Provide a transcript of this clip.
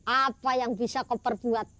apa yang bisa kau perbuat